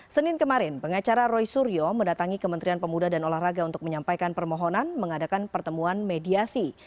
senin kemarin pengacara roy suryo mendatangi kementerian pemuda dan olahraga untuk menyampaikan permohonan mengadakan pertemuan mediasi